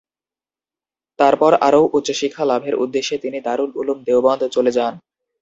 তারপর আরও উচ্চশিক্ষা লাভের উদ্দেশ্যে তিনি দারুল উলুম দেওবন্দ চলে যান।